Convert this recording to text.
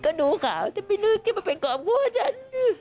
ก็ดูข่าวจะไปเลื่อกที่มันเป็นกล่อมว่อฉัน